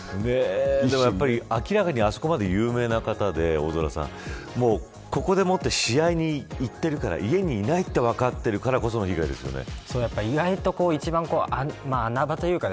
でもやっぱり明らかにあそこまで有名な方で大空さん、ここで試合に行っているから家にいないと分かっているからこその意外と一番穴場というか